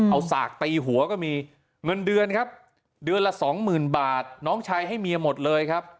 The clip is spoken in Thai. เอาสากตีหัวก็มีเงินเดือนครับเดือนละสองหมื่นบาทน้องชายให้เมียหมดเลยครับ